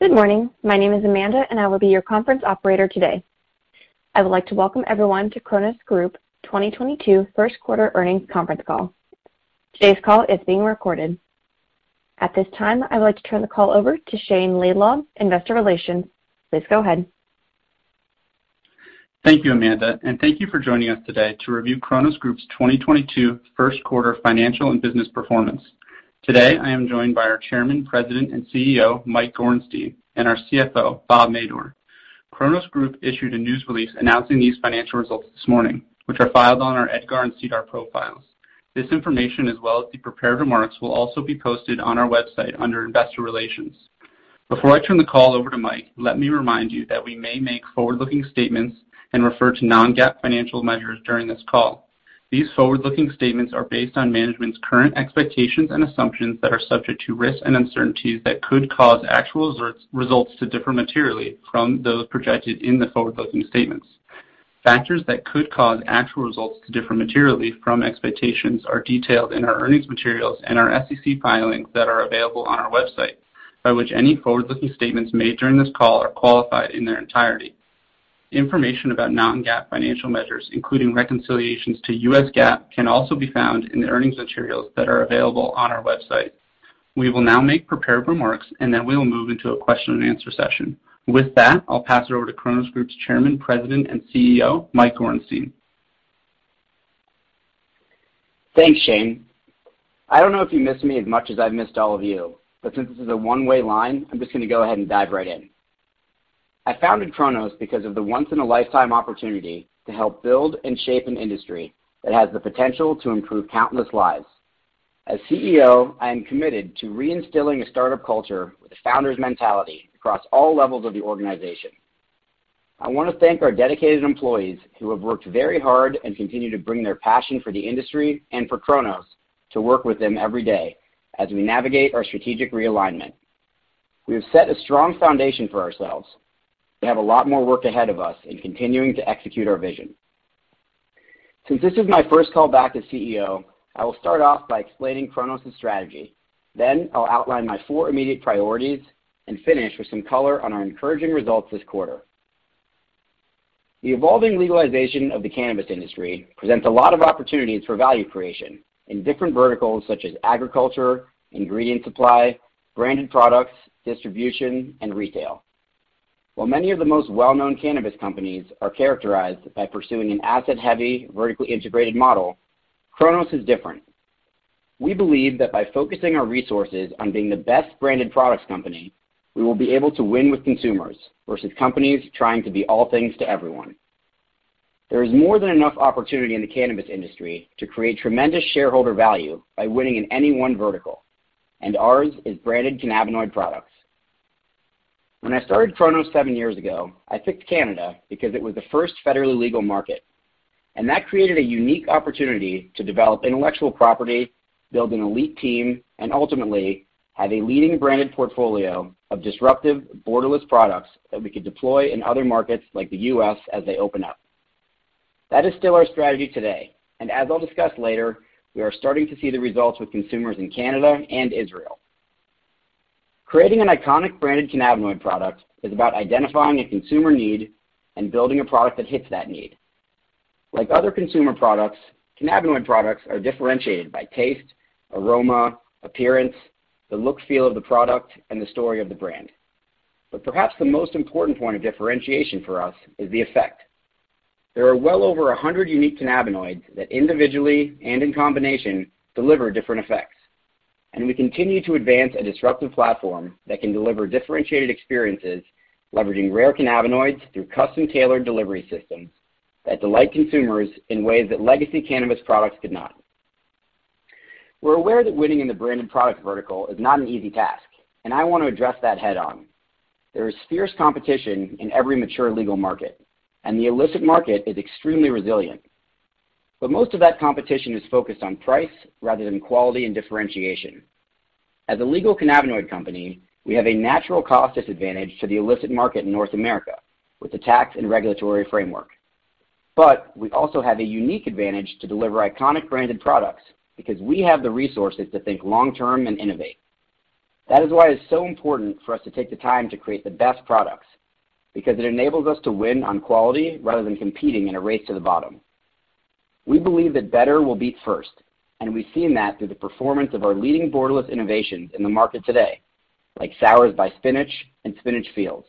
Good morning. My name is Amanda, and I will be your conference operator today. I would like to welcome everyone to Cronos Group 2022 first quarter earnings conference call. Today's call is being recorded. At this time, I would like to turn the call over to Shayne Laidlaw, Investor Relations. Please go ahead. Thank you, Amanda, and thank you for joining us today to review Cronos Group's 2022 first quarter financial and business performance. Today I am joined by our Chairman, President, and CEO, Mike Gorenstein, and our CFO, Bob Madore. Cronos Group issued a news release announcing these financial results this morning, which are filed on our EDGAR and SEDAR profiles. This information, as well as the prepared remarks, will also be posted on our website under investor relations. Before I turn the call over to Mike, let me remind you that we may make forward-looking statements and refer to non-GAAP financial measures during this call. These forward-looking statements are based on management's current expectations and assumptions that are subject to risks and uncertainties that could cause actual results to differ materially from those projected in the forward-looking statements. Factors that could cause actual results to differ materially from expectations are detailed in our earnings materials and our SEC filings that are available on our website, by which any forward-looking statements made during this call are qualified in their entirety. Information about non-GAAP financial measures, including reconciliations to U.S. GAAP, can also be found in the earnings materials that are available on our website. We will now make prepared remarks, and then we will move into a question-and-answer session. With that, I'll pass it over to Cronos Group's Chairman, President, and CEO, Mike Gorenstein. Thanks, Shayne. I don't know if you missed me as much as I've missed all of you, but since this is a one-way line, I'm just gonna go ahead and dive right in. I founded Cronos because of the once-in-a-lifetime opportunity to help build and shape an industry that has the potential to improve countless lives. As CEO, I am committed to reinstilling a startup culture with a founder's mentality across all levels of the organization. I want to thank our dedicated employees who have worked very hard and continue to bring their passion for the industry and for Cronos to work with them every day as we navigate our strategic realignment. We have set a strong foundation for ourselves, but have a lot more work ahead of us in continuing to execute our vision. Since this is my first call back as CEO, I will start off by explaining Cronos' strategy. Then I'll outline my four immediate priorities and finish with some color on our encouraging results this quarter. The evolving legalization of the cannabis industry presents a lot of opportunities for value creation in different verticals such as agriculture, ingredient supply, branded products, distribution, and retail. While many of the most well-known cannabis companies are characterized by pursuing an asset-heavy, vertically integrated model, Cronos is different. We believe that by focusing our resources on being the best branded products company, we will be able to win with consumers versus companies trying to be all things to everyone. There is more than enough opportunity in the cannabis industry to create tremendous shareholder value by winning in any one vertical, and ours is branded cannabinoid products. When I started Cronos seven years ago, I picked Canada because it was the first federally legal market, and that created a unique opportunity to develop intellectual property, build an elite team, and ultimately, have a leading branded portfolio of disruptive, borderless products that we could deploy in other markets like the U.S. as they open up. That is still our strategy today, and as I'll discuss later, we are starting to see the results with consumers in Canada and Israel. Creating an iconic branded cannabinoid product is about identifying a consumer need and building a product that hits that need. Like other consumer products, cannabinoid products are differentiated by taste, aroma, appearance, the look, feel of the product, and the story of the brand. Perhaps the most important point of differentiation for us is the effect. There are well over 100 unique cannabinoids that individually and in combination deliver different effects, and we continue to advance a disruptive platform that can deliver differentiated experiences, leveraging rare cannabinoids through custom-tailored delivery systems that delight consumers in ways that legacy cannabis products could not. We're aware that winning in the branded product vertical is not an easy task, and I want to address that head on. There is fierce competition in every mature legal market, and the illicit market is extremely resilient. Most of that competition is focused on price rather than quality and differentiation. As a legal cannabinoid company, we have a natural cost disadvantage to the illicit market in North America with the tax and regulatory framework. We also have a unique advantage to deliver iconic branded products because we have the resources to think long term and innovate. That is why it's so important for us to take the time to create the best products, because it enables us to win on quality rather than competing in a race to the bottom. We believe that better will beat first, and we've seen that through the performance of our leading borderless innovations in the market today, like SOURZ by Spinach and Spinach FEELZ.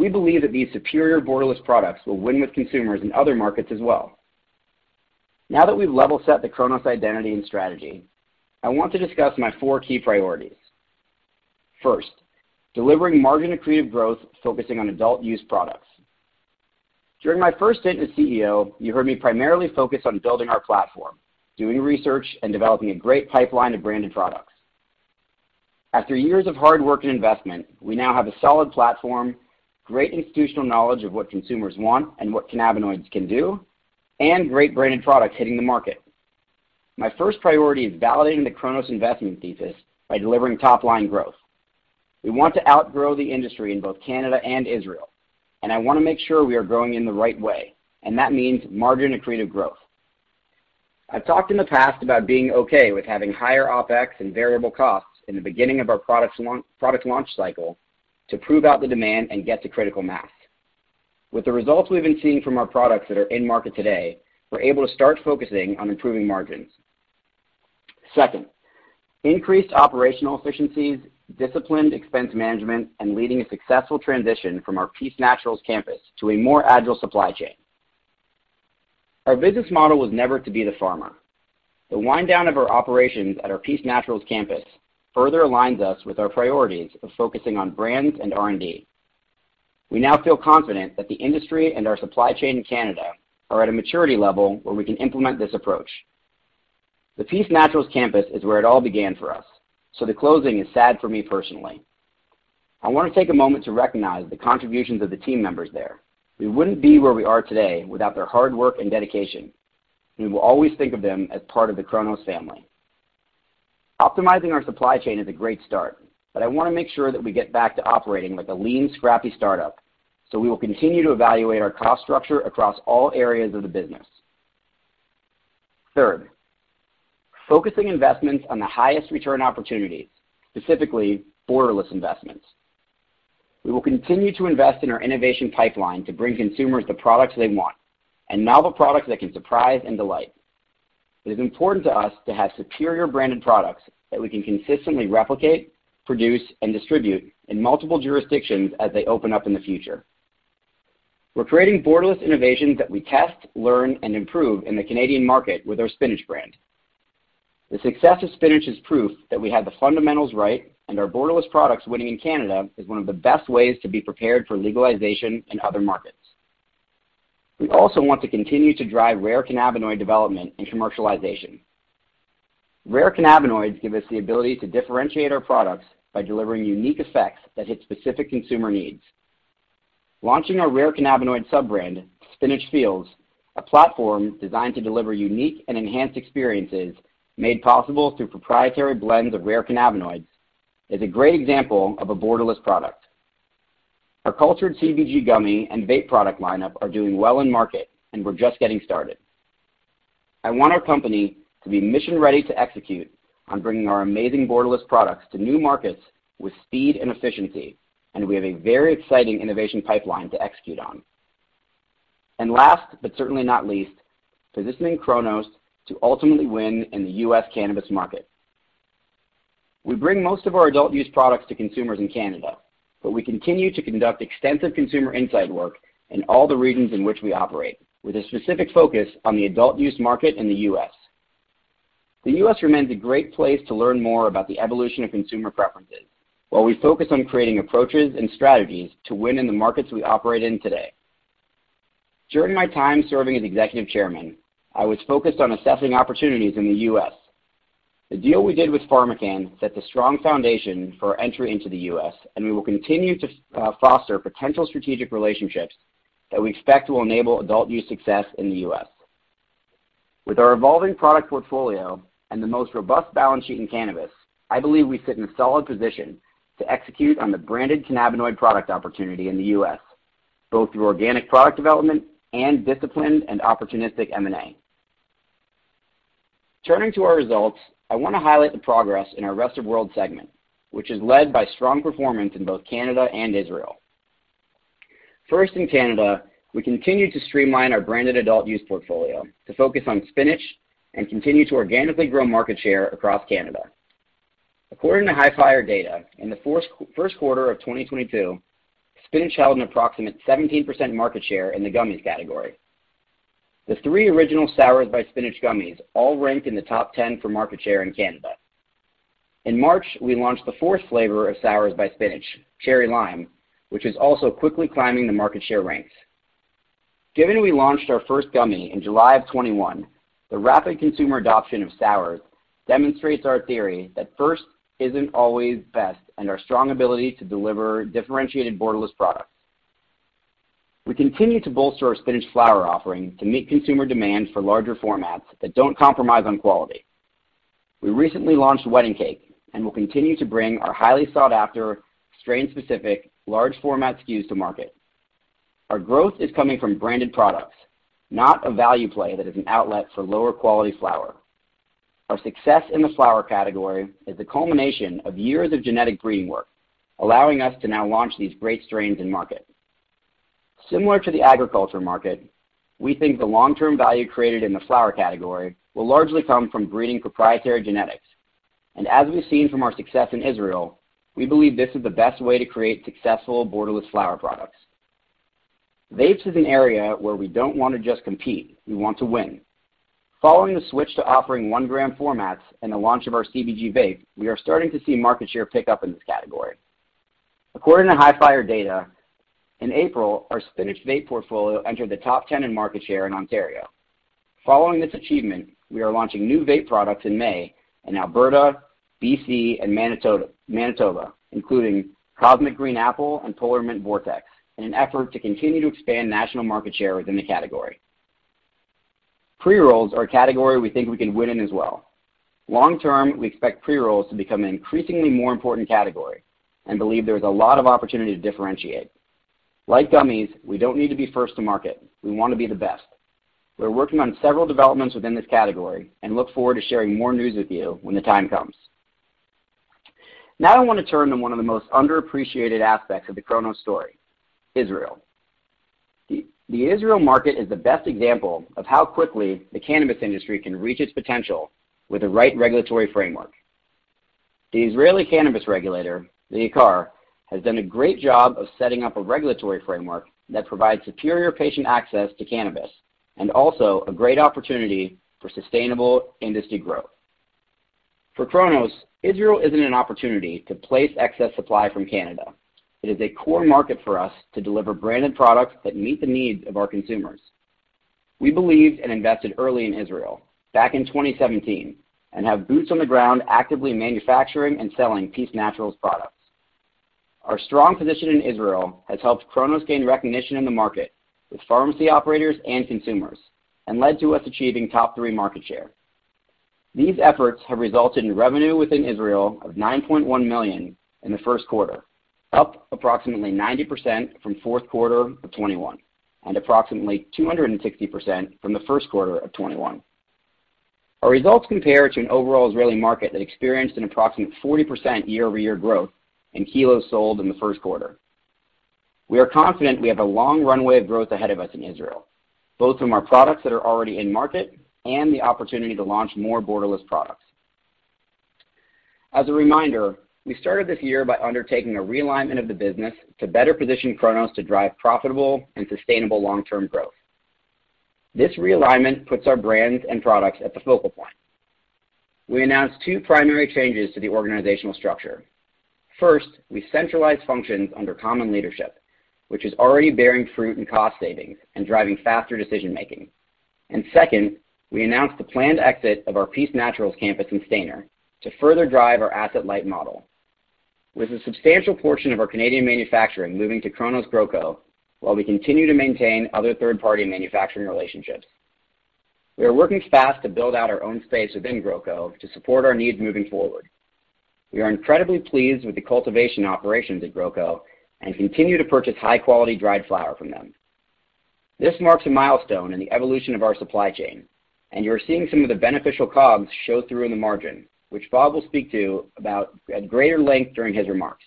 We believe that these superior borderless products will win with consumers in other markets as well. Now that we've level set the Cronos identity and strategy, I want to discuss my four key priorities. First, delivering margin-accretive growth, focusing on adult-use products. During my first stint as CEO, you heard me primarily focus on building our platform, doing research, and developing a great pipeline of branded products. After years of hard work and investment, we now have a solid platform, great institutional knowledge of what consumers want and what cannabinoids can do, and great branded products hitting the market. My first priority is validating the Cronos investment thesis by delivering top-line growth. We want to outgrow the industry in both Canada and Israel, and I want to make sure we are growing in the right way, and that means margin-accretive growth. I've talked in the past about being okay with having higher OPEX and variable costs in the beginning of our product launch cycle to prove out the demand and get to critical mass. With the results we've been seeing from our products that are in market today, we're able to start focusing on improving margins. Second, increased operational efficiencies, disciplined expense management, and leading a successful transition from our Peace Naturals campus to a more agile supply chain. Our business model was never to be the farmer. The wind down of our operations at our Peace Naturals campus further aligns us with our priorities of focusing on brands and R&D. We now feel confident that the industry and our supply chain in Canada are at a maturity level where we can implement this approach. The Peace Naturals campus is where it all began for us, so the closing is sad for me personally. I want to take a moment to recognize the contributions of the team members there. We wouldn't be where we are today without their hard work and dedication. We will always think of them as part of the Cronos family. Optimizing our supply chain is a great start, but I wanna make sure that we get back to operating with a lean, scrappy startup, so we will continue to evaluate our cost structure across all areas of the business. Third, focusing investments on the highest return opportunities, specifically borderless investments. We will continue to invest in our innovation pipeline to bring consumers the products they want and novel products that can surprise and delight. It is important to us to have superior branded products that we can consistently replicate, produce, and distribute in multiple jurisdictions as they open up in the future. We're creating borderless innovations that we test, learn, and improve in the Canadian market with our Spinach brand. The success of Spinach is proof that we have the fundamentals right, and our borderless products winning in Canada is one of the best ways to be prepared for legalization in other markets. We also want to continue to drive rare cannabinoid development and commercialization. Rare cannabinoids give us the ability to differentiate our products by delivering unique effects that hit specific consumer needs. Launching our rare cannabinoid sub-brand, Spinach FEELZ, a platform designed to deliver unique and enhanced experiences made possible through proprietary blends of rare cannabinoids, is a great example of a borderless product. Our cultured CBG gummy and vape product lineup are doing well in market, and we're just getting started. I want our company to be mission ready to execute on bringing our amazing borderless products to new markets with speed and efficiency, and we have a very exciting innovation pipeline to execute on. Last, but certainly not least, positioning Cronos to ultimately win in the U.S cannabis market. We bring most of our adult use products to consumers in Canada, but we continue to conduct extensive consumer insight work in all the regions in which we operate, with a specific focus on the adult use market in the U.S. The U.S. remains a great place to learn more about the evolution of consumer preferences while we focus on creating approaches and strategies to win in the markets we operate in today. During my time serving as executive chairman, I was focused on assessing opportunities in the U.S. The deal we did with PharmaCann set the strong foundation for our entry into the U.S., and we will continue to foster potential strategic relationships that we expect will enable adult use success in the U.S. With our evolving product portfolio and the most robust balance sheet in cannabis, I believe we sit in a solid position to execute on the branded cannabinoid product opportunity in the U.S., both through organic product development and disciplined and opportunistic M&A. Turning to our results, I wanna highlight the progress in our Rest of World segment, which is led by strong performance in both Canada and Israel. First, in Canada, we continue to streamline our branded adult use portfolio to focus on Spinach and continue to organically grow market share across Canada. According to Hifyre data, in the first quarter of 2022, Spinach held an approximate 17% market share in the gummies category. The three original SOURZ by Spinach gummies all ranked in the top 10 for market share in Canada. In March, we launched the fourth flavor of SOURZ by Spinach, Cherry Lime, which is also quickly climbing the market share ranks. Given we launched our first gummy in July of 2021, the rapid consumer adoption of SOURZ demonstrates our theory that first isn't always best and our strong ability to deliver differentiated borderless products. We continue to bolster our Spinach flower offering to meet consumer demand for larger formats that don't compromise on quality. We recently launched Wedding Cake and will continue to bring our highly sought-after, strain-specific large format SKUs to market. Our growth is coming from branded products, not a value play that is an outlet for lower quality flower. Our success in the flower category is the culmination of years of genetic breeding work, allowing us to now launch these great strains in market. Similar to the agriculture market, we think the long-term value created in the flower category will largely come from breeding proprietary genetics. As we've seen from our success in Israel, we believe this is the best way to create successful borderless flower products. Vapes is an area where we don't want to just compete, we want to win. Following the switch to offering 1-gram formats and the launch of our CBG vape, we are starting to see market share pick up in this category. According to Hifyre data, in April, our Spinach vape portfolio entered the top 10 in market share in Ontario. Following this achievement, we are launching new vape products in May in Alberta, BC, and Manitoba, including Cosmic Green Apple and Polar Mint Vortex, in an effort to continue to expand national market share within the category. Pre-rolls are a category we think we can win in as well. Long term, we expect pre-rolls to become an increasingly more important category and believe there is a lot of opportunity to differentiate. Like gummies, we don't need to be first to market. We wanna be the best. We're working on several developments within this category and look forward to sharing more news with you when the time comes. Now I wanna turn to one of the most underappreciated aspects of the Cronos story, Israel. The Israel market is the best example of how quickly the cannabis industry can reach its potential with the right regulatory framework. The Israeli cannabis regulator, the IMCA, has done a great job of setting up a regulatory framework that provides superior patient access to cannabis, and also a great opportunity for sustainable industry growth. For Cronos, Israel isn't an opportunity to place excess supply from Canada. It is a core market for us to deliver branded products that meet the needs of our consumers. We believed and invested early in Israel, back in 2017, and have boots on the ground actively manufacturing and selling Peace Naturals products. Our strong position in Israel has helped Cronos gain recognition in the market with pharmacy operators and consumers, and led to us achieving top three market share. These efforts have resulted in revenue within Israel of 9.1 million in the first quarter, up approximately 90% from fourth quarter of 2021, and approximately 260% from the first quarter of 2021. Our results compare to an overall Israeli market that experienced an approximate 40% year-over-year growth in kilos sold in the first quarter. We are confident we have a long runway of growth ahead of us in Israel, both from our products that are already in market and the opportunity to launch more borderless products. As a reminder, we started this year by undertaking a realignment of the business to better position Cronos to drive profitable and sustainable long-term growth. This realignment puts our brands and products at the focal point. We announced two primary changes to the organizational structure. First, we centralized functions under common leadership, which is already bearing fruit in cost savings and driving faster decision-making. Second, we announced the planned exit of our Peace Naturals campus in Stayner to further drive our asset-light model. With a substantial portion of our Canadian manufacturing moving to Cronos GrowCo, while we continue to maintain other third-party manufacturing relationships. We are working fast to build out our own space within GrowCo to support our needs moving forward. We are incredibly pleased with the cultivation operations at GrowCo and continue to purchase high-quality dried flower from them. This marks a milestone in the evolution of our supply chain, and you're seeing some of the beneficial COGS show through in the margin, which Bob will speak to about at greater length during his remarks.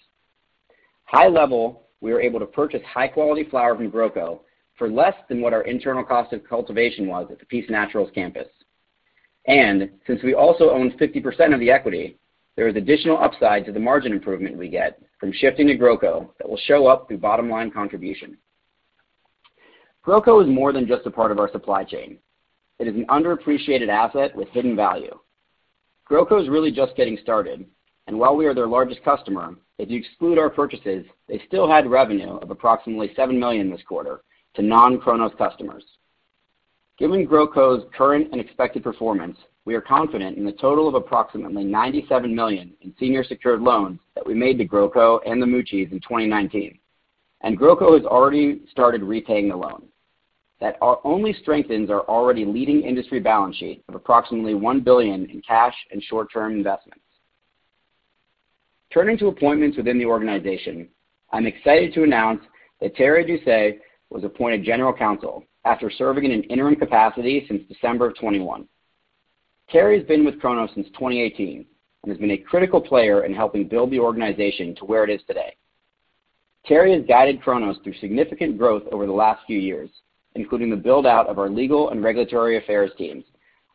High-level, we are able to purchase high-quality flower from GrowCo for less than what our internal cost of cultivation was at the Peace Naturals campus. Since we also own 50% of the equity, there is additional upside to the margin improvement we get from shifting to GrowCo that will show up through bottom-line contribution. GrowCo is more than just a part of our supply chain. It is an underappreciated asset with hidden value. GrowCo is really just getting started, and while we are their largest customer, if you exclude our purchases, they still had revenue of approximately $7 million this quarter to non-Cronos customers. Given GrowCo's current and expected performance, we are confident in the total of approximately $97 million in senior secured loans that we made to GrowCo and the Muccis in 2019. GrowCo has already started repaying the loan. That only strengthens our already leading industry balance sheet of approximately $1 billion in cash and short-term investments. Turning to appointments within the organization, I'm excited to announce that Terry Doucet was appointed General Counsel after serving in an interim capacity since December of 2021. Terry has been with Cronos since 2018 and has been a critical player in helping build the organization to where it is today. Terry has guided Cronos through significant growth over the last few years, including the build-out of our legal and regulatory affairs teams,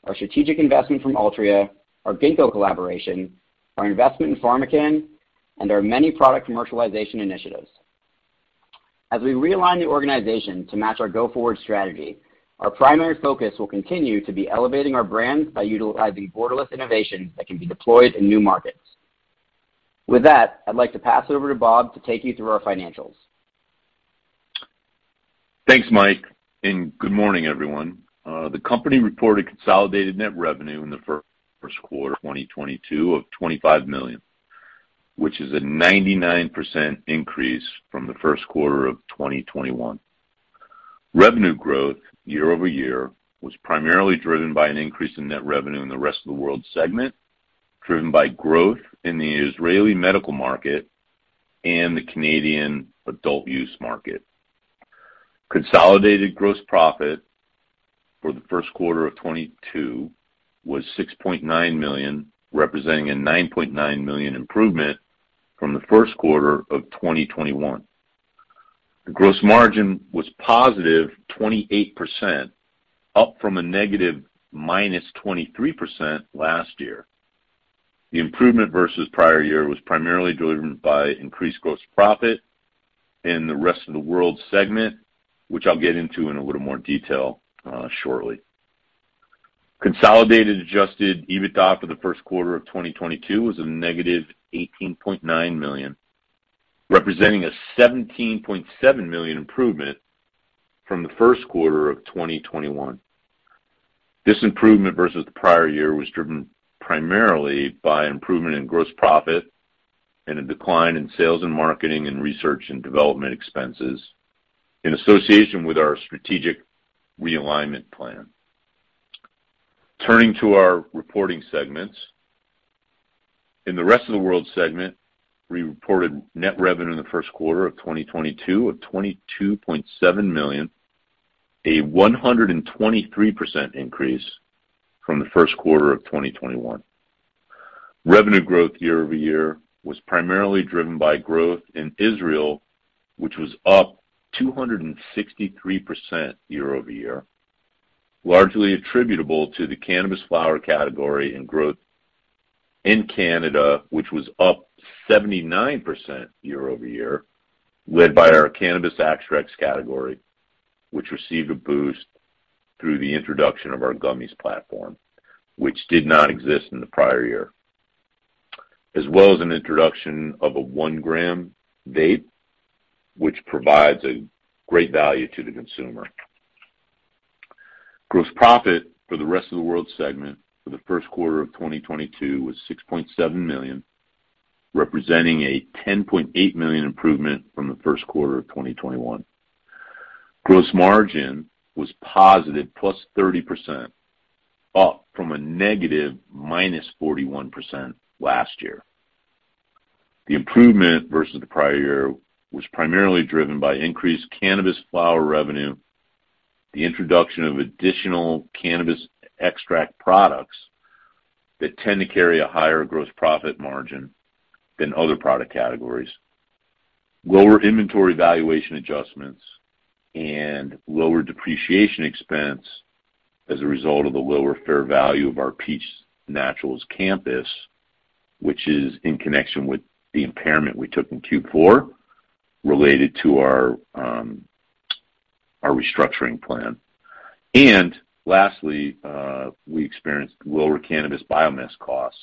our strategic investment from Altria, our Ginkgo collaboration, our investment in PharmaCann, and our many product commercialization initiatives. As we realign the organization to match our go-forward strategy, our primary focus will continue to be elevating our brands by utilizing borderless innovation that can be deployed in new markets. With that, I'd like to pass it over to Bob to take you through our financials. Thanks, Mike, and good morning, everyone. The company reported consolidated net revenue in the first quarter of 2022 of $25 million, which is a 99% increase from the first quarter of 2021. Revenue growth year-over-year was primarily driven by an increase in net revenue in the rest of the world segment, driven by growth in the Israeli medical market and the Canadian adult-use market. Consolidated gross profit for the first quarter of 2022 was $6.9 million, representing a $9.9 million improvement from the first quarter of 2021. The gross margin was positive 28%, up from 23%- last year. The improvement versus prior year was primarily driven by increased gross profit in the rest of the world segment, which I'll get into in a little more detail, shortly. Consolidated adjusted EBITDA for the first quarter of 2022 was -$18.9 million, representing a $17.7 million improvement from the first quarter of 2021. This improvement versus the prior year was driven primarily by improvement in gross profit and a decline in sales and marketing and research and development expenses in association with our strategic realignment plan. Turning to our reporting segments. In the rest of the world segment, we reported net revenue in the first quarter of 2022 of $22.7 million, a 123% increase from the first quarter of 2021. Revenue growth year-over-year was primarily driven by growth in Israel, which was up 263% year-over-year, largely attributable to the cannabis flower category and growth in Canada, which was up 79% year-over-year, led by our cannabis extracts category, which received a boost through the introduction of our gummies platform, which did not exist in the prior year. As well as an introduction of a 1 gram vape, which provides a great value to the consumer. Gross profit for the rest of the world segment for the first quarter of 2022 was $6.7 million, representing a $10.8 million improvement from the first quarter of 2021. Gross margin was positive +30%, up from a -41% last year. The improvement versus the prior year was primarily driven by increased cannabis flower revenue, the introduction of additional cannabis extract products that tend to carry a higher gross profit margin than other product categories, lower inventory valuation adjustments, and lower depreciation expense as a result of the lower fair value of our Peace Naturals campus, which is in connection with the impairment we took in Q4 related to our restructuring plan. Lastly, we experienced lower cannabis biomass costs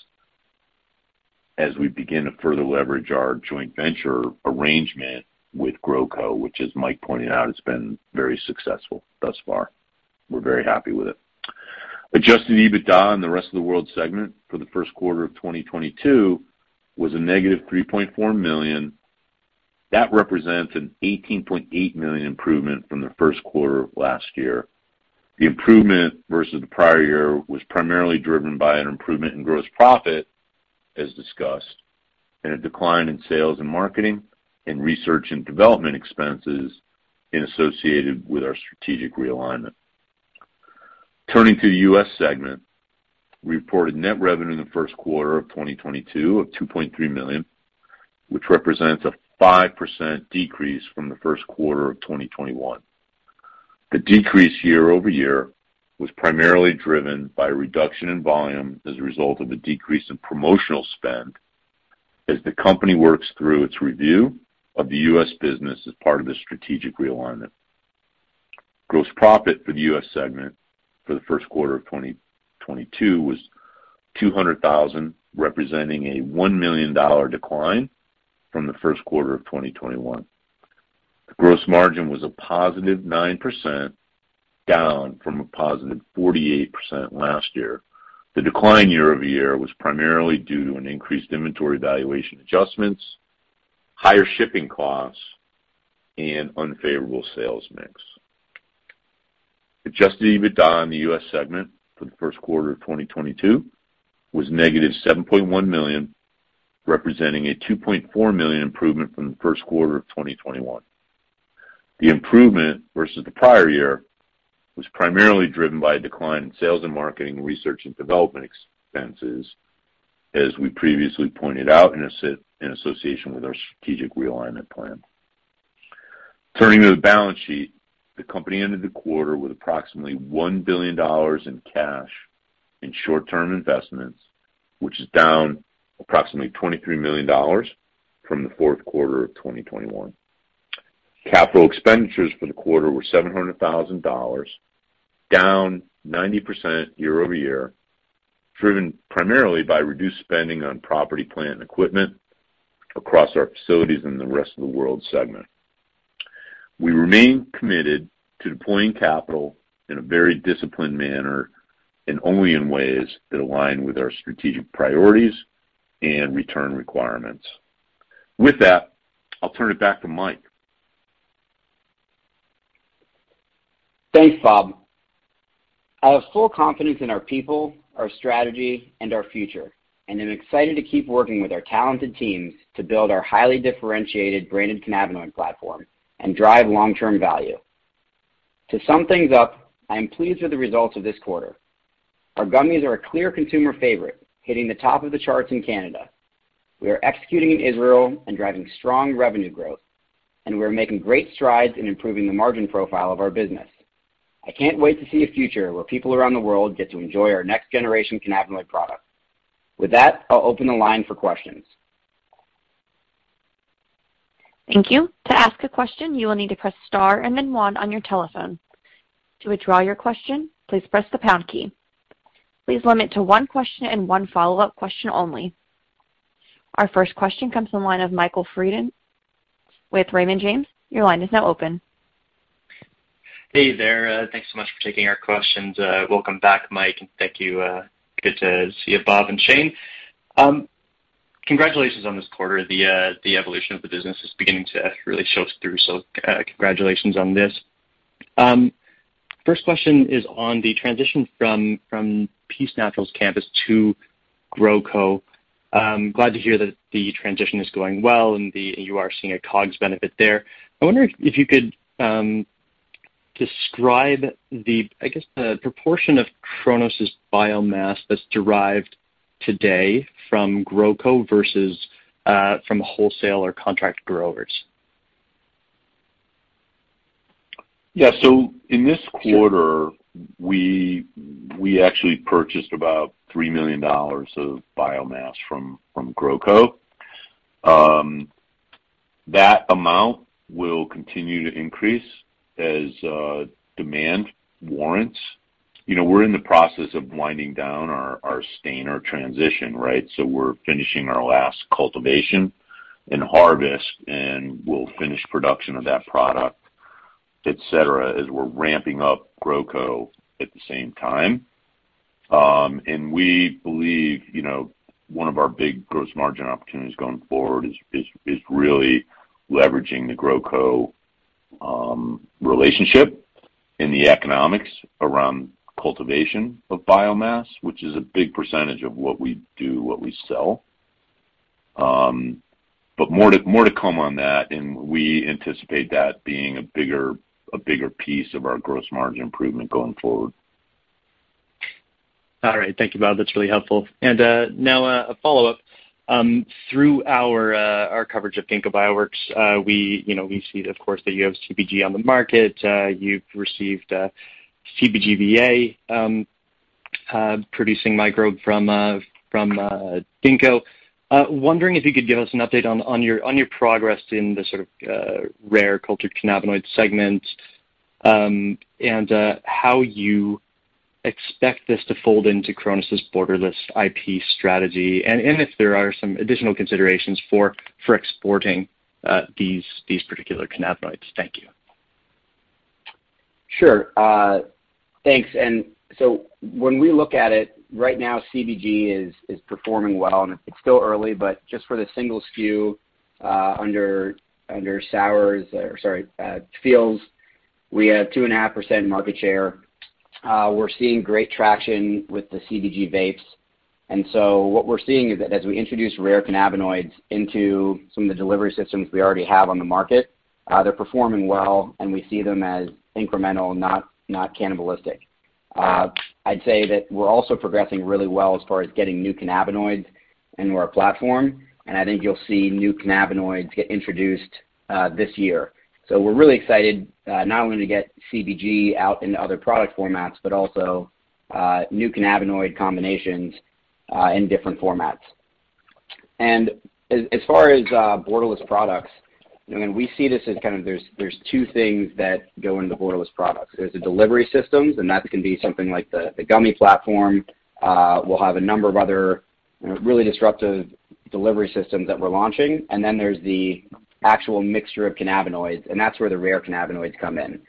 as we begin to further leverage our joint venture arrangement with GrowCo, which, as Mike pointed out, has been very successful thus far. We're very happy with it. Adjusted EBITDA in the rest of the world segment for the first quarter of 2022 was negative $3.4 million. That represents an $18.8 million improvement from the first quarter of last year. The improvement versus the prior year was primarily driven by an improvement in gross profit, as discussed, and a decline in sales and marketing and research and development expenses associated with our strategic realignment. Turning to the U.S. segment, we reported net revenue in the first quarter of 2022 of $2.3 million, which represents a 5% decrease from the first quarter of 2021. The decrease year-over-year was primarily driven by a reduction in volume as a result of a decrease in promotional spend as the company works through its review of the U.S. business as part of the strategic realignment. Gross profit for the U.S. segment for the first quarter of 2022 was $200,000, representing a $1 million decline from the first quarter of 2021. The gross margin was a positive 9%, down from a positive 48% last year. The decline year-over-year was primarily due to an increased inventory valuation adjustments, higher shipping costs, and unfavorable sales mix. Adjusted EBITDA in the U.S. segment for the first quarter of 2022 was -$7.1 million, representing a $2.4 million improvement from the first quarter of 2021. The improvement versus the prior year was primarily driven by a decline in sales and marketing, research and development expenses, as we previously pointed out in association with our strategic realignment plan. Turning to the balance sheet, the company ended the quarter with approximately $1 billion in cash and short-term investments, which is down approximately $23 million from the fourth quarter of 2021. Capital expenditures for the quarter were $700,000, down 90% year-over-year, driven primarily by reduced spending on property, plant, and equipment across our facilities in the rest of the world segment. We remain committed to deploying capital in a very disciplined manner and only in ways that align with our strategic priorities and return requirements. With that, I'll turn it back to Mike. Thanks, Bob. I have full confidence in our people, our strategy, and our future, and am excited to keep working with our talented teams to build our highly differentiated branded cannabinoid platform and drive long-term value. To sum things up, I am pleased with the results of this quarter. Our gummies are a clear consumer favorite, hitting the top of the charts in Canada. We are executing in Israel and driving strong revenue growth, and we are making great strides in improving the margin profile of our business. I can't wait to see a future where people around the world get to enjoy our next generation cannabinoid products. With that, I'll open the line for questions. Thank you. To ask a question, you will need to press star and then one on your telephone. To withdraw your question, please press the pound key. Please limit to one question and one follow-up question only. Our first question comes from the line of Michael W. Freeman with Raymond James. Your line is now open. Hey there. Thanks so much for taking our questions. Welcome back, Mike, and thank you. Good to see you, Bob and Shayne. Congratulations on this quarter. The evolution of the business is beginning to really show through, so, congratulations on this. First question is on the transition from Peace Naturals campus to GrowCo. I'm glad to hear that the transition is going well and you are seeing a COGS benefit there. I wonder if you could describe the, I guess, the proportion of Cronos Group's biomass that's derived today from GrowCo versus from wholesale or contract growers. Yeah. In this quarter, we actually purchased about $3 million of biomass from GrowCo. That amount will continue to increase as demand warrants. You know, we're in the process of winding down our strain or transition, right? We're finishing our last cultivation and harvest, and we'll finish production of that product, et cetera, as we're ramping up GrowCo at the same time. We believe, you know, one of our big gross margin opportunities going forward is really leveraging the GrowCo relationship in the economics around cultivation of biomass, which is a big percentage of what we do, what we sell. More to come on that, and we anticipate that being a bigger piece of our gross margin improvement going forward. All right. Thank you, Bob. That's really helpful. Now, a follow-up. Through our coverage of Ginkgo Bioworks, we, you know, we see, of course, that you have CBG on the market. You've received a CBGVA producing microbe from Ginkgo. Wondering if you could give us an update on your progress in the sort of rare cultured cannabinoid segment, and how you expect this to fold into Cronos' borderless IP strategy, and if there are some additional considerations for exporting these particular cannabinoids. Thank you. Sure. Thanks. When we look at it, right now, CBG is performing well, and it's still early, but just for the single SKU under SOURZ, or sorry, FEELZ, we have 2.5% market share. We're seeing great traction with the CBG vapes. What we're seeing is that as we introduce rare cannabinoids into some of the delivery systems we already have on the market, they're performing well, and we see them as incremental, not cannibalistic. I'd say that we're also progressing really well as far as getting new cannabinoids into our platform, and I think you'll see new cannabinoids get introduced this year. We're really excited not only to get CBG out into other product formats, but also new cannabinoid combinations in different formats. As far as borderless products, I mean, we see this as kind of there's two things that go into borderless products. There's the delivery systems, and that can be something like the gummy platform. We'll have a number of other, you know, really disruptive delivery systems that we're launching. Then there's the actual mixture of cannabinoids, and that's where the rare cannabinoids come in.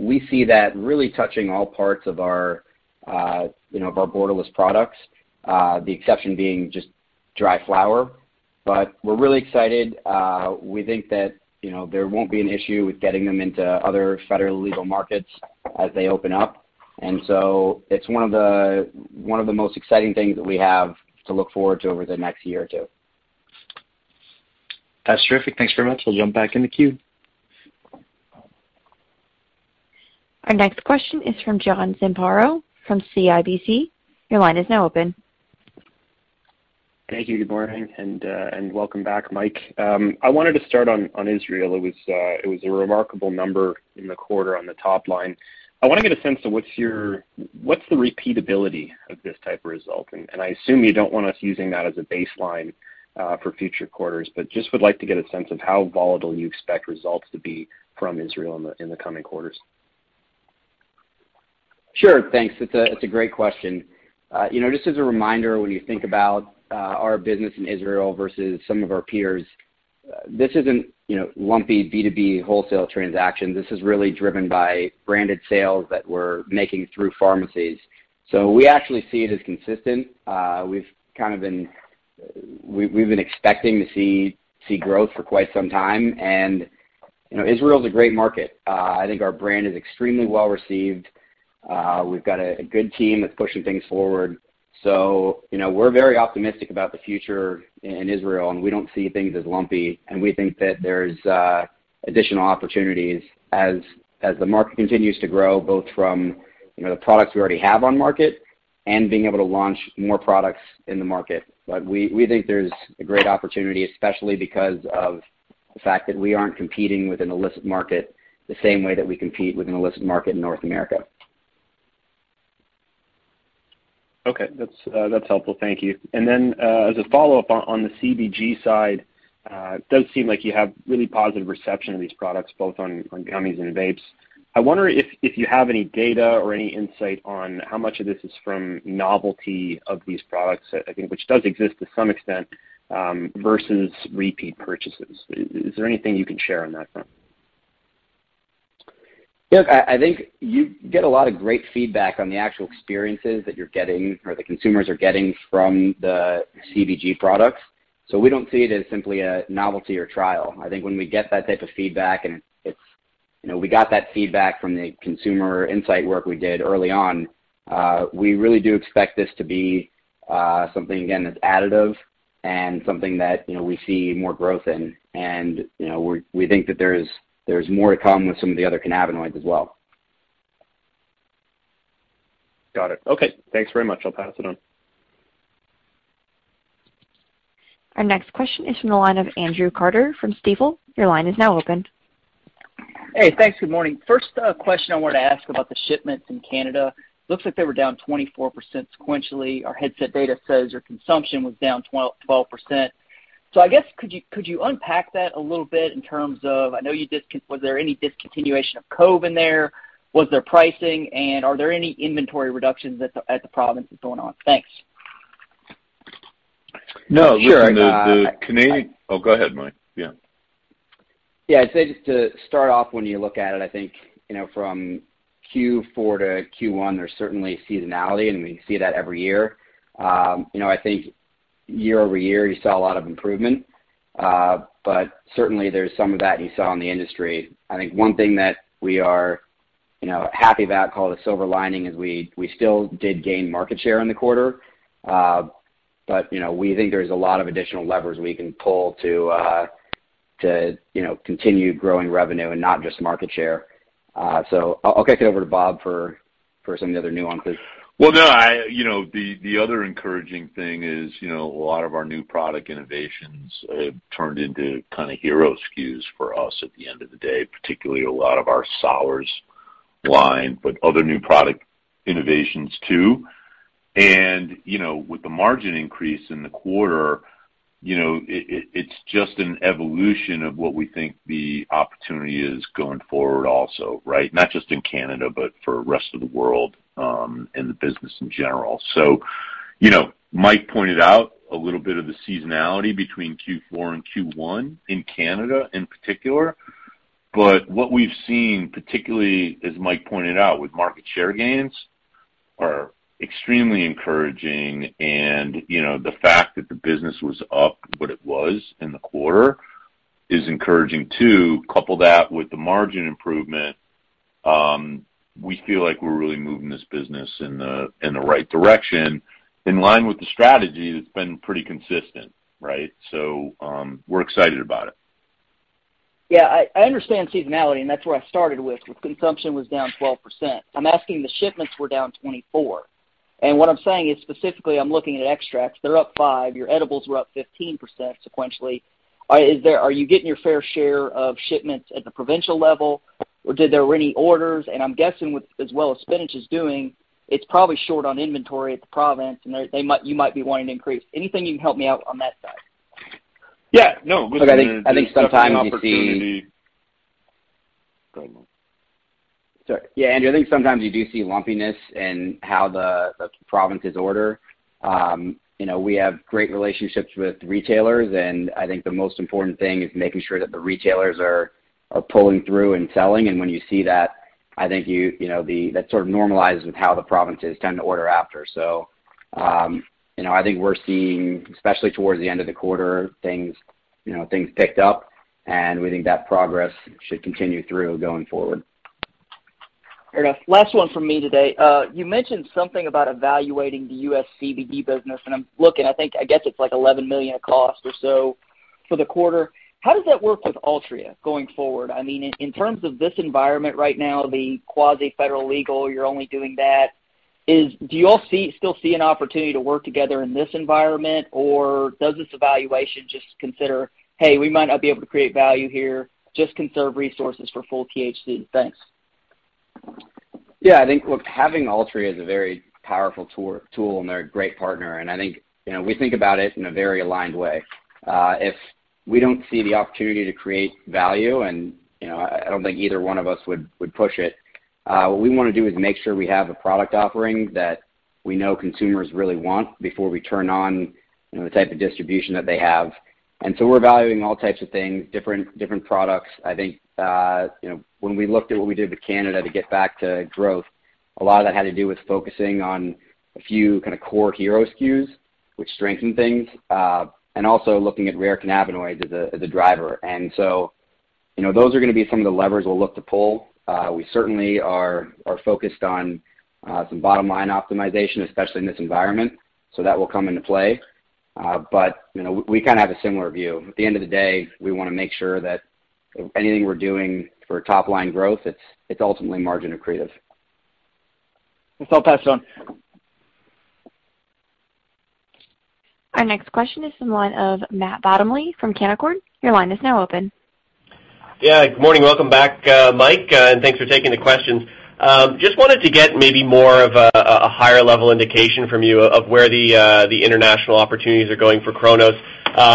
We see that really touching all parts of our, you know, of our borderless products, the exception being just dry flower. We're really excited. We think that, you know, there won't be an issue with getting them into other federal legal markets as they open up. It's one of the most exciting things that we have to look forward to over the next year or two. That's terrific. Thanks very much. I'll jump back in the queue. Our next question is from John Zamparo from CIBC. Your line is now open. Thank you. Good morning, and welcome back, Mike. I wanted to start on Israel. It was a remarkable number in the quarter on the top line. I want to get a sense of what's the repeatability of this type of result? I assume you don't want us using that as a baseline for future quarters, but just would like to get a sense of how volatile you expect results to be from Israel in the coming quarters. Sure. Thanks. It's a great question. You know, just as a reminder, when you think about our business in Israel versus some of our peers, this isn't you know, lumpy B2B wholesale transaction. This is really driven by branded sales that we're making through pharmacies. So we actually see it as consistent. We've kind of been expecting to see growth for quite some time. You know, Israel is a great market. I think our brand is extremely well-received. We've got a good team that's pushing things forward. You know, we're very optimistic about the future in Israel, and we don't see things as lumpy, and we think that there's additional opportunities as the market continues to grow, both from, you know, the products we already have on market and being able to launch more products in the market. We think there's a great opportunity, especially because of the fact that we aren't competing with an illicit market the same way that we compete with an illicit market in North America. Okay. That's helpful. Thank you. As a follow-up on the CBG side, it does seem like you have really positive reception of these products, both on gummies and vapes. I wonder if you have any data or any insight on how much of this is from novelty of these products, I think which does exist to some extent, versus repeat purchases. Is there anything you can share on that front? Look, I think you get a lot of great feedback on the actual experiences that you're getting or the consumers are getting from the CBG products. So we don't see it as simply a novelty or trial. I think when we get that type of feedback and it's, you know, we got that feedback from the consumer insight work we did early on, we really do expect this to be something again, that's additive and something that, you know, we see more growth in. You know, we think that there's more to come with some of the other cannabinoids as well. Got it. Okay, thanks very much. I'll pass it on. Our next question is from the line of Andrew Carter from Stifel. Your line is now open. Hey, thanks. Good morning. First question I wanted to ask about the shipments in Canada. Looks like they were down 24% sequentially. Our Headset data says your consumption was down 12%. I guess, could you unpack that a little bit in terms of, I know, was there any discontinuation of COVE™ in there? Was there pricing? And are there any inventory reductions at the province that's going on? Thanks. No. Sure. No. Oh, go ahead, Mike. Yeah. Yeah. I'd say just to start off when you look at it, I think, you know, from Q4 to Q1, there's certainly seasonality, and we see that every year. You know, I think year-over-year, you saw a lot of improvement. But certainly there's some of that you saw in the industry. I think one thing that we are, you know, happy about, call it a silver lining, is we still did gain market share in the quarter. But, you know, we think there's a lot of additional levers we can pull to, you know, continue growing revenue and not just market share. I'll kick it over to Bob for some of the other nuances. Well, no. You know, the other encouraging thing is, you know, a lot of our new product innovations have turned into kind of hero SKUs for us at the end of the day, particularly a lot of our sours line, but other new product innovations too. You know, with the margin increase in the quarter, you know, it's just an evolution of what we think the opportunity is going forward also, right? Not just in Canada, but for the rest of the world, and the business in general. You know, Mike pointed out a little bit of the seasonality between Q4 and Q1 in Canada in particular, but what we've seen, particularly as Mike pointed out with market share gains, are extremely encouraging. You know, the fact that the business was up what it was in the quarter is encouraging too. Couple that with the margin improvement, we feel like we're really moving this business in the right direction in line with the strategy that's been pretty consistent, right? We're excited about it. Yeah. I understand seasonality, and that's where I started with consumption was down 12%. I'm asking shipments were down 24%. What I'm saying is specifically I'm looking at extracts. They're up 5%, your edibles were up 15% sequentially. Is there, are you getting your fair share of shipments at the provincial level, or were there any orders? I'm guessing as well as Spinach is doing, it's probably short on inventory at the province, and they might be wanting to increase. Anything you can help me out on that side? Yeah, no. Listen, there's definitely an opportunity. Look, I think sometimes you see. Go ahead, Mike. Sorry. Yeah, Andrew, I think sometimes you do see lumpiness in how the provinces order. You know, we have great relationships with retailers, and I think the most important thing is making sure that the retailers are pulling through and selling. When you see that, I think you know that sort of normalizes with how the provinces tend to order after. You know, I think we're seeing, especially towards the end of the quarter, things picked up, and we think that progress should continue through going forward. Fair enough. Last one from me today. You mentioned something about evaluating the US CBD business, and I'm looking, I think, I guess it's like $11 million of cost or so for the quarter. How does that work with Altria going forward? I mean, in terms of this environment right now, the quasi-federal legal, you're only doing that. Do you all still see an opportunity to work together in this environment, or does this evaluation just consider, "Hey, we might not be able to create value here, just conserve resources for full THC?" Thanks. Yeah. I think, having Altria is a very powerful tool, and they're a great partner, and I think, you know, we think about it in a very aligned way. If we don't see the opportunity to create value and, you know, I don't think either one of us would push it. What we wanna do is make sure we have a product offering that we know consumers really want before we turn on, you know, the type of distribution that they have. We're evaluating all types of things, different products. I think, when we looked at what we did with Canada to get back to growth, a lot of that had to do with focusing on a few kind of core hero SKUs, which strengthened things, and also looking at rare cannabinoids as a driver. You know, those are gonna be some of the levers we'll look to pull. We certainly are focused on some bottom-line optimization, especially in this environment, so that will come into play. You know, we kind of have a similar view. At the end of the day, we wanna make sure that anything we're doing for top-line growth, it's ultimately margin accretive. This all passed on. Our next question is from the line of Matt Bottomley from Canaccord. Your line is now open. Yeah. Good morning. Welcome back, Mike, and thanks for taking the questions. Just wanted to get maybe more of a higher level indication from you of where the international opportunities are going for Cronos.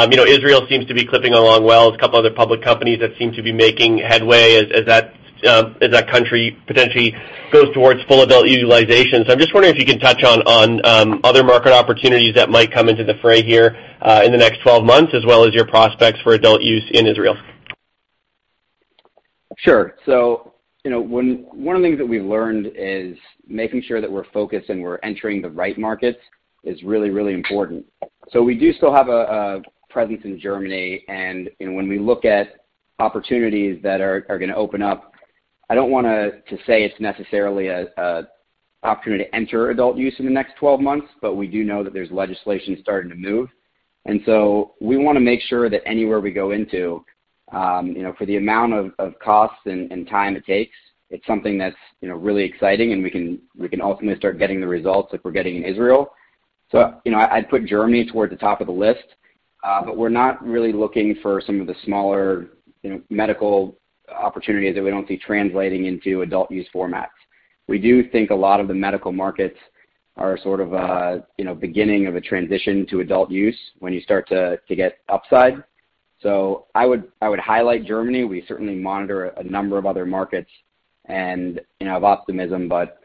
You know, Israel seems to be clipping along well. There's a couple other public companies that seem to be making headway as that country potentially goes towards full adult use. I'm just wondering if you can touch on other market opportunities that might come into the fray here, in the next 12 months, as well as your prospects for adult use in Israel. Sure. You know, one of the things that we've learned is making sure that we're focused and we're entering the right markets is really, really important. We do still have a presence in Germany, and when we look at opportunities that are gonna open up, I don't wanna say it's necessarily an opportunity to enter adult use in the next 12 months, but we do know that there's legislation starting to move. We wanna make sure that anywhere we go into, you know, for the amount of costs and time it takes, it's something that's, you know, really exciting, and we can ultimately start getting the results like we're getting in Israel. You know, I'd put Germany toward the top of the list. We're not really looking for some of the smaller, you know, medical opportunities that we don't see translating into adult use formats. We do think a lot of the medical markets are sort of a, you know, beginning of a transition to adult use when you start to get upside. I would highlight Germany. We certainly monitor a number of other markets and, you know, have optimism, but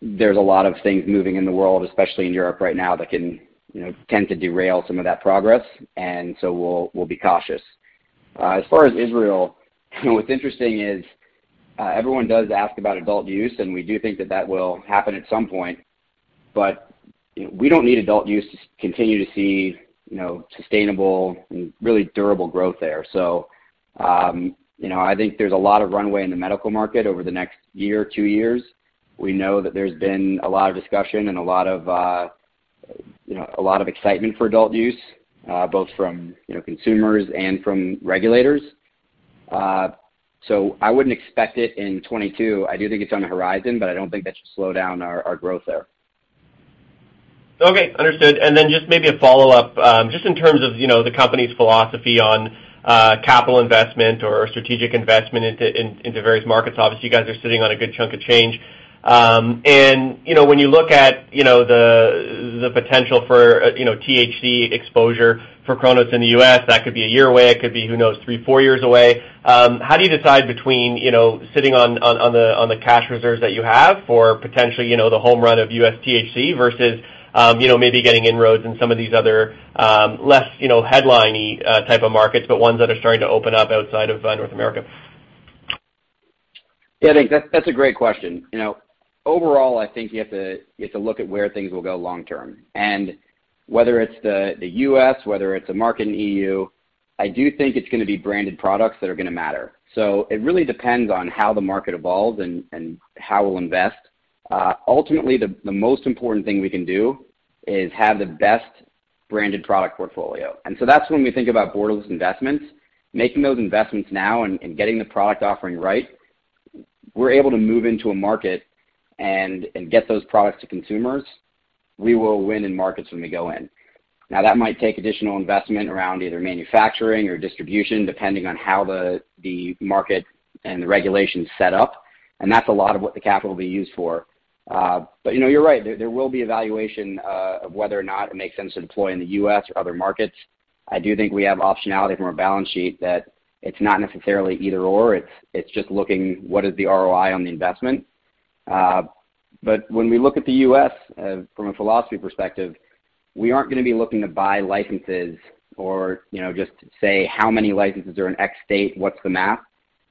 there's a lot of things moving in the world, especially in Europe right now, that can, you know, tend to derail some of that progress. We'll be cautious. As far as Israel, what's interesting is, everyone does ask about adult use, and we do think that that will happen at some point, but we don't need adult use to continue to see, you know, sustainable and really durable growth there. You know, I think there's a lot of runway in the medical market over the next year or two years. We know that there's been a lot of discussion and a lot of excitement for adult use, both from consumers and from regulators. I wouldn't expect it in 2022. I do think it's on the horizon, but I don't think that should slow down our growth there. Okay. Understood. Then just maybe a follow-up, just in terms of, you know, the company's philosophy on capital investment or strategic investment into various markets. Obviously, you guys are sitting on a good chunk of change. When you look at the potential for, you know, THC exposure for Cronos in the U.S., that could be a year away, it could be, who knows, three, four years away. How do you decide between, you know, sitting on the cash reserves that you have for potentially, you know, the home run of U.S. THC versus, you know, maybe getting inroads in some of these other, less, you know, headline-y type of markets, but ones that are starting to open up outside of North America? Yeah, I think that's a great question. You know, overall, I think you have to look at where things will go long term. Whether it's the U.S., whether it's a market in E.U., I do think it's gonna be branded products that are gonna matter. It really depends on how the market evolves and how we'll invest. Ultimately, the most important thing we can do is have the best branded product portfolio. That's when we think about borderless investments, making those investments now and getting the product offering right. We're able to move into a market and get those products to consumers. We will win in markets when we go in. Now, that might take additional investment around either manufacturing or distribution, depending on how the market and the regulation is set up, and that's a lot of what the capital will be used for. You know, you're right. There will be evaluation of whether or not it makes sense to deploy in the U.S. or other markets. I do think we have optionality from our balance sheet that it's not necessarily either/or. It's just looking what is the ROI on the investment. When we look at the U.S., from a philosophy perspective, we aren't gonna be looking to buy licenses or, you know, just say how many licenses are in X state, what's the math?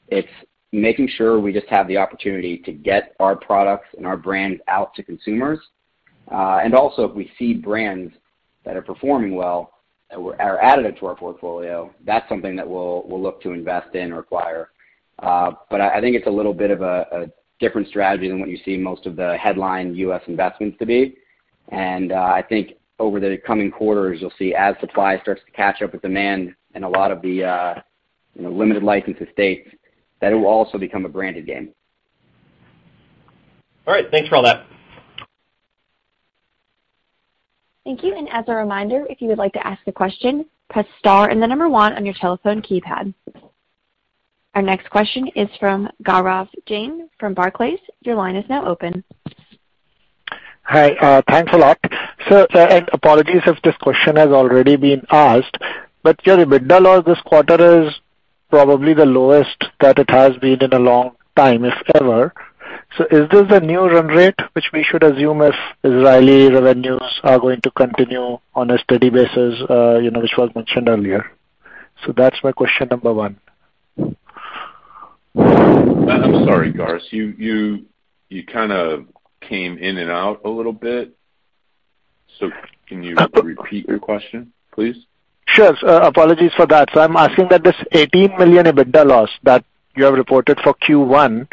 It's making sure we just have the opportunity to get our products and our brands out to consumers. also, if we see brands that are performing well that are additive to our portfolio, that's something that we'll look to invest in or acquire. But I think it's a little bit of a different strategy than what you see most of the headline U.S. investments to be. I think over the coming quarters, you'll see as supply starts to catch up with demand in a lot of the, you know, limited license states, that it will also become a branded game. All right. Thanks for all that. Thank you. As a reminder, if you would like to ask a question, press star and the number one on your telephone keypad. Our next question is from Gaurav Jain from Barclays. Your line is now open. Hi, thanks a lot. Apologies if this question has already been asked, but your EBITDA loss this quarter is probably the lowest that it has been in a long time, if ever. Is this a new run rate which we should assume if Israeli revenues are going to continue on a steady basis, you know, which was mentioned earlier? That's my question number one. I'm sorry, Gaurav. You kinda came in and out a little bit. Can you repeat your question, please? Sure. Apologies for that. I'm asking that this $18 million EBITDA loss that you have reported for Q1,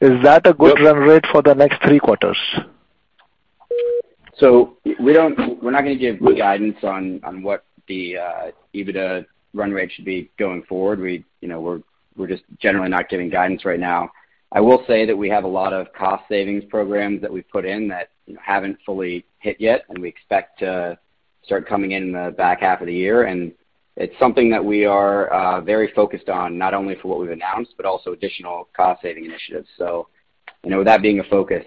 is that a good run rate for the next three quarters? We're not gonna give guidance on what the EBITDA run rate should be going forward. We, you know, we're just generally not giving guidance right now. I will say that we have a lot of cost savings programs that we've put in that, you know, haven't fully hit yet and we expect to start coming in in the back half of the year. It's something that we are very focused on, not only for what we've announced, but also additional cost saving initiatives. You know, with that being a focus,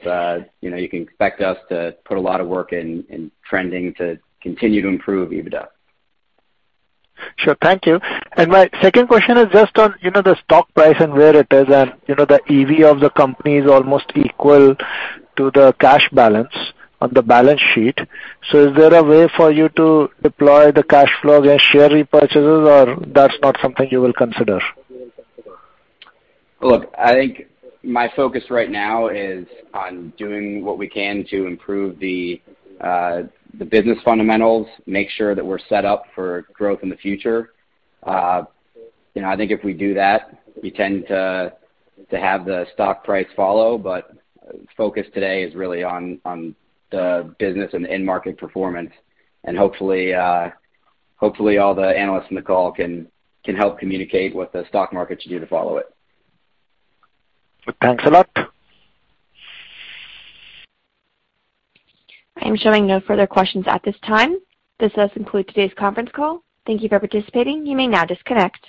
you know, you can expect us to put a lot of work in intending to continue to improve EBITDA. Sure. Thank you. My second question is just on, you know, the stock price and where it is. You know, the EV of the company is almost equal to the cash balance on the balance sheet. Is there a way for you to deploy the cash flow via share repurchases, or that's not something you will consider? Look, I think my focus right now is on doing what we can to improve the business fundamentals, make sure that we're set up for growth in the future. You know, I think if we do that, we tend to have the stock price follow. Focus today is really on the business and end market performance, and hopefully all the analysts in the call can help communicate what the stock market should do to follow it. Thanks a lot. I am showing no further questions at this time. This does conclude today's conference call. Thank you for participating. You may now disconnect.